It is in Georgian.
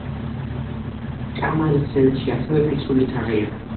კამარის ცენტრში ასევე ფიცრული თაღია.